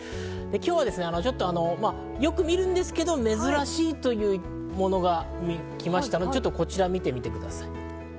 今日はよく見るんですけど、珍しいというものが来ましたのでこちら見てみてください。